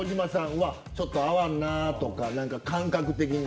うわっちょっと合わんなとか感覚的に。